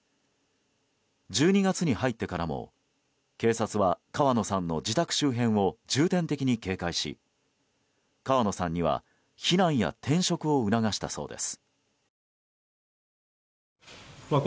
１２月に入ってからも警察は川野さんの自宅周辺を重点的に警戒し、川野さんには避難や転職を促したそうです。